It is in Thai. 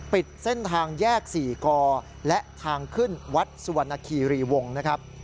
ปิดเส้นทางแยก๔กและทางขึ้นวัดสุวรรณคีรีวงศ์นะครับ